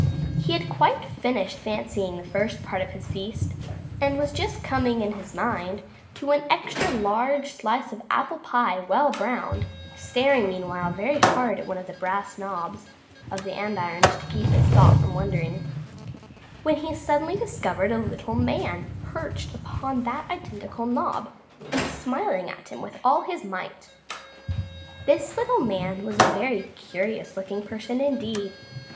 He had quite finished fancying the first part of his feast, and was just coming, in his mind, to an extra large slice of apple pie well browned (staring meanwhile very hard at one of the brass knobs of the andirons to keep his thoughts from wandering), when he suddenly discovered a little man perched upon that identical knob, and smiling at him with all his might. This little man was a very curious looking person indeed.